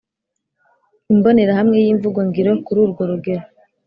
imbonerahamwe y imvugo ngiro kuru rwo rugero